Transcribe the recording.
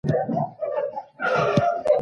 د کار او استراحت تر منځ توازن ساتل اړین دي.